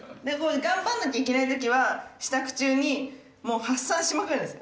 頑張らなきゃいけないときは、支度中にもう発散しまくるんです。